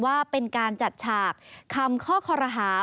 ว่าเป็นการจัดฉากคำข้อคอรหา